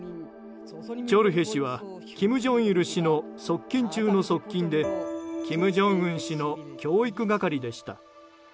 チョルヘ氏は金正日氏の側近中の側近で金正恩氏の教育係でした。